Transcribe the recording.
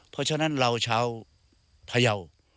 เพราะฉะนั้นเราชาวพยาว